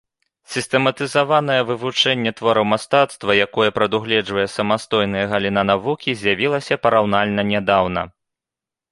Сістэматызаванае вывучэнне твораў мастацтва, якое прадугледжвае самастойная галіна навукі, з'явілася параўнальна нядаўна.